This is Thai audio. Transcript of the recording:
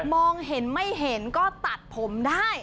มองเห็นไม่เห็นก็ตัดผมได้